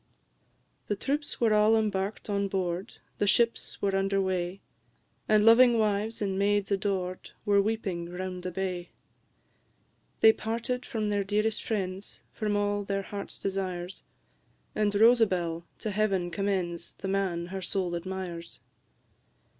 The troops were all embark'd on board, The ships were under weigh, And loving wives, and maids adored, Were weeping round the bay. They parted from their dearest friends, From all their heart desires; And Rosabel to Heaven commends The man her soul admires!